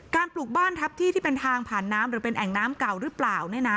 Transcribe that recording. ปลูกบ้านทับที่ที่เป็นทางผ่านน้ำหรือเป็นแอ่งน้ำเก่าหรือเปล่า